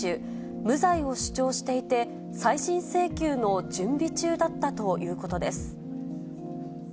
無罪を主張していて、再審請求の準備中だったということです。